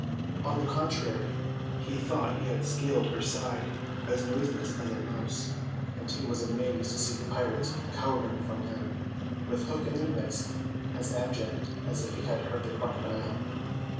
On the contrary, he thought he had scaled her side as noiseless as a mouse; and he was amazed to see the pirates cowering from him, with Hook in their midst as abject as if he had heard the crocodile.